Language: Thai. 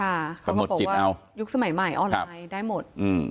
เขาก็บอกว่ายุคสมัยใหม่ออนไลน์ได้หมด